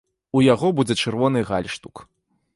У яго будзе чырвоны гальштук.